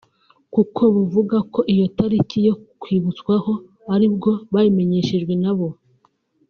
kuko buvuga ko iyo tariki yo kwibutswaho aribwo babimenyeshejwe nabo